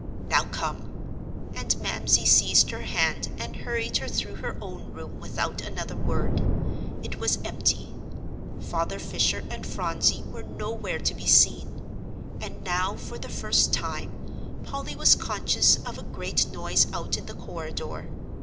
"Now come." And Mamsie seized her hand and hurried her through her own room without another word. It was empty. Father Fisher and Phronsie were nowhere to be seen. And now for the first time Polly was conscious of a great noise out in the corridor.